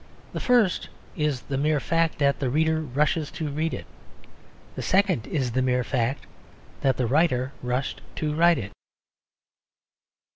The first is the mere fact that the reader rushes to read it. The second is the mere fact that the writer rushed to write it.